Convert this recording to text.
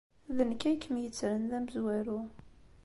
D nekk ay kem-yettren d amezwaru.